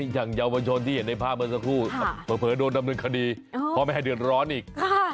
อย่างเยาวชนที่เห็นในภาพเมื่อสักครู่เผลอโดนดำเนินคดีพ่อแม่เดือดร้อนอีก